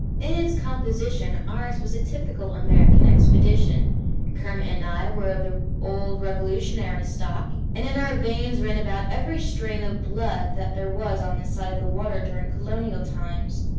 In its composition ours was a typical American expedition. Kermit and I were of the old Revolutionary stock, and in our veins ran about every strain of blood that there was on this side of the water during colonial times.